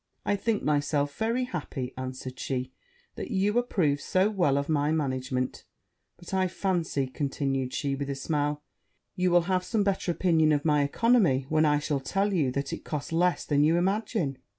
'I think myself very happy,' answered she, 'that you approve so well of my management: but I fancy,' continued she with a smile, 'you will have some better opinion of my oeconomy when I tell you that it cost less than you imagine.'